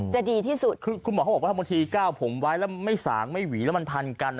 จะดีที่สุดคือคุณหมอเขาบอกว่าบางทีก้าวผมไว้แล้วไม่สางไม่หวีแล้วมันพันกัน